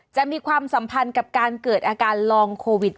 มีความสัมพันธ์กับการเกิดอาการลองโควิด